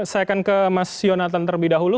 saya akan ke mas yonatan terlebih dahulu